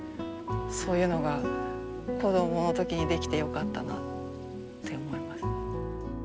そういうのが子どものときにできてよかったなあって思います。